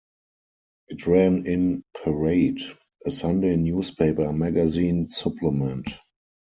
It ran in "Parade", a Sunday newspaper magazine supplement.